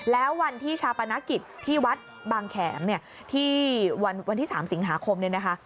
แล้ววันที่ชาปนกิจที่วัดบางแขมเนี่ยที่วันที่๓สิงหาคมเนี่ยนะคะ